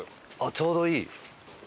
ちょうどいい！